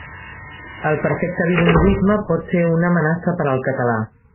El perfecte bilingüisme pot ser una amenaça per al català.